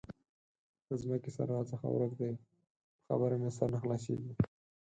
د ځمکې سره راڅخه ورک دی؛ په خبره مې سر نه خلاصېږي.